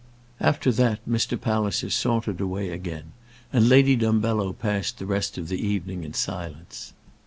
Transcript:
After that Mr. Palliser sauntered away again, and Lady Dumbello passed the rest of the evening in silence.